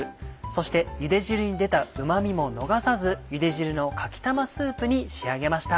そしてゆで汁に出たうまみも逃さず「ゆで汁のかき玉スープ」に仕上げました。